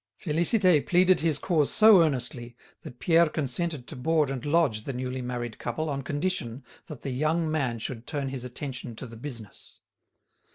Félicité pleaded his cause so earnestly that Pierre consented to board and lodge the newly married couple, on condition that the young man should turn his attention to the business.